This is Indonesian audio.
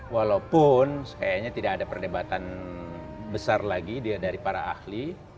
walaupun kayaknya tidak ada perdebatan besar lagi dari para ahli